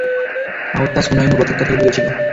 আওতাস হুনাইন উপত্যকা থেকে দূরে ছিল।